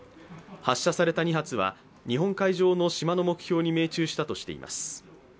発射された２発は日本海上の島の目標に命中したとしています。